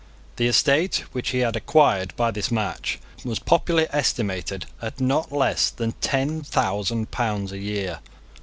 The estate which he had acquired by this match was popularly estimated at not less than ten thousand pounds a year.